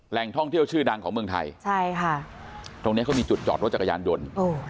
ท่องเที่ยวชื่อดังของเมืองไทยใช่ค่ะตรงเนี้ยเขามีจุดจอดรถจักรยานยนต์